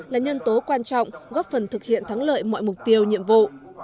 là nhân tố quan trọng góp phần thực hiện thắng lợi mọi mục tiêu nhiệm vụ